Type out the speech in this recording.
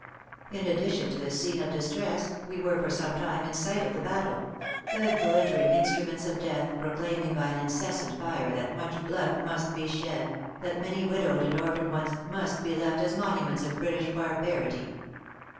In addition to this scene of distress, we were for some time in sight of the battle; the glittering instruments of death proclaiming by an incessant [fire] that much blood must be shed; that many widowed and orphaned ones [must] be left as monuments of British barbarity.